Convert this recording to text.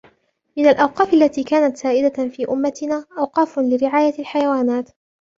من الأوقاف التي كانت سائدة في أمتنا أوقافٌ لرعاية الحيوانات